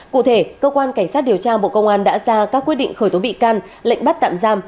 cụ thể cơ quan cảnh sát điều tra bộ công an đã ra các quyết định khởi tố bị can lệnh bắt tạm giam